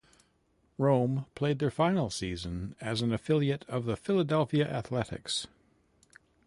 Rome played their final season as an affiliate of the Philadelphia Athletics.